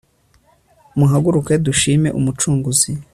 muhaguruke dushime umucunguzi